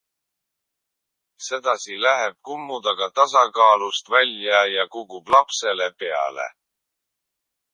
Sedasi läheb kummut aga tasakaalust välja ja kukub lapsele peale.